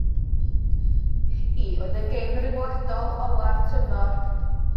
Hi oedd gêm ryngwladol ola'r tymor.